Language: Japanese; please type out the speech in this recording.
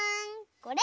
これ！